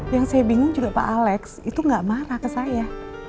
yang saya bingung juga pak alex itu gak marah ke saya